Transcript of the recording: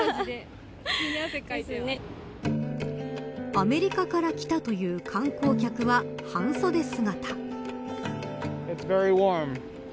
アメリカから来たという観光客は半袖姿。